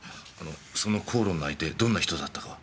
その口論の相手どんな人だったかは？